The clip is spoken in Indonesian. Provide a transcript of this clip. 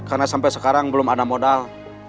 karena sampai sekarang belum ada modal